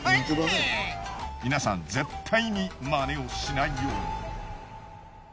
皆さん絶対にマネをしないように。